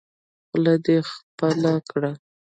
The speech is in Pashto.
خوله دې خپله کړه.